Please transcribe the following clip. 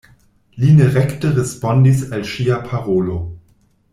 Li ne rekte respondis al ŝia parolo.